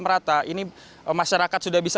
merata ini masyarakat sudah bisa